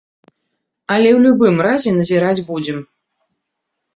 Але ў любым разе назіраць будзем.